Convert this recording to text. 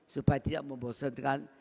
supaya tidak membosankan